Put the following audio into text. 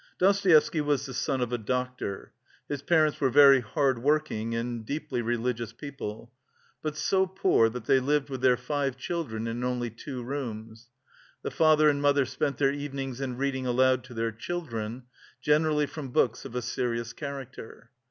Dostoevsky was the son of a doctor. His parents were very hard working and deeply religious people, but so poor that they lived with their five children in only two rooms. The father and mother spent their evenings in reading aloud to their children, generally from books of a serious character.